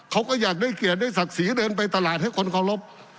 เขาก็อยากได้เกียรติได้ศักดิ์ศรีเดินไปตลาดให้คนเคารพ